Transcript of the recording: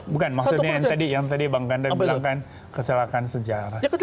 bukan maksudnya yang tadi bang kanda bilangkan kecelakaan sejarah